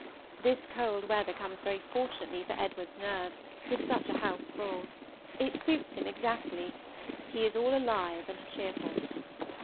This cold weather comes very fortunately for Edward's nerves, with such a house full; it suits him exactly; he is all alive and cheerful.